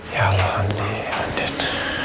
ya allah andi andit